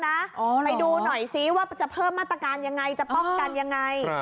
ไปดูหน่อยซิว่าจะเพิ่มมาตรการยังไงจะป้องกันยังไง